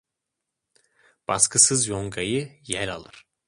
Baskısız yongayı yel alır.